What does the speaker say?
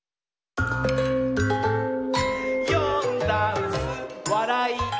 「よんだんす」「わらい」！